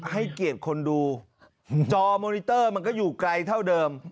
ให้เกียรติคนดูจอมอนิเตอร์มันก็อยู่ไกลเท่าเดิม